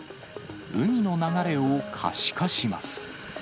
海の流れを可視化します。